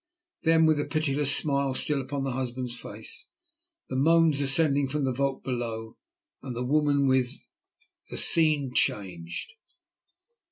Then, with the pitiless smile still upon the husband's face, and the moans ascending from the vault below, and the woman with.... The scene changed.